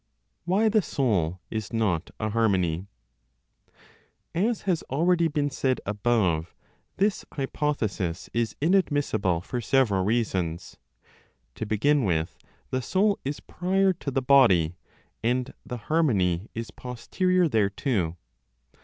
WHY THE SOUL IS NOT A HARMONY. As has already been said above this hypothesis is inadmissible for several reasons. To begin with, the soul is prior (to the body), and the harmony is posterior thereto.